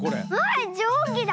あじょうぎだ！